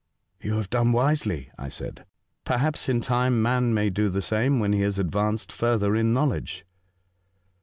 '* You have done wisely," I said. '^ Perhaps in time man may do the same, when he ha& advanced further in knowledge."